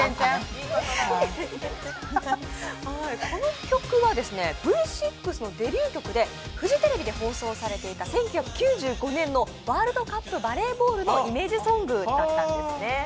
この曲はＶ６のデビュー曲でフジテレビで放送されていた１９９５年のワールドカップバレーボールのイメージソングだったんですね。